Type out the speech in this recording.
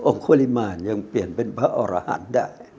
องค์ควริมานยังเปลี่ยนเป็นพระอรหารได้